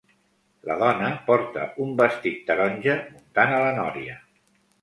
La dona porta un vestit taronja muntant a la nòria.